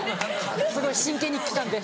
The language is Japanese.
すごい真剣にきたんで。